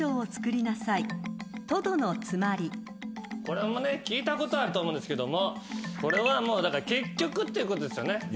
これもね聞いたことあると思うんですけどもこれは「結局」っていうことですよね。